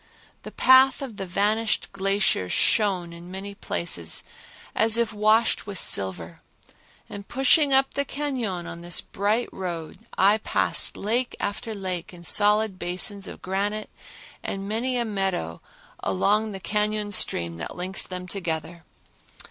The path of the vanished glacier shone in many places as if washed with silver, and pushing up the cañon on this bright road I passed lake after lake in solid basins of granite and many a meadow along the cañon stream that links them together.